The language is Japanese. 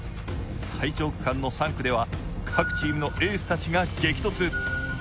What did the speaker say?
最長区間の３区では各チームのエースたちが激突。